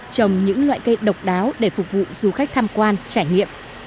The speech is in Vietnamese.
trồng những loại cây độc đáo để phục vụ du khách tham quan trải nghiệm